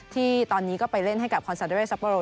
ที่ตอนนี้ก็ไปเล่นให้กับคอนซาเดซัปโปโร